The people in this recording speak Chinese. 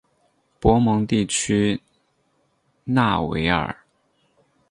博蒙地区讷维尔。